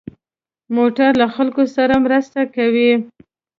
موټر له خلکو سره مرسته کوي.